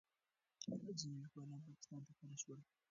ځینې لیکوالان پاکستان ته کډه شول.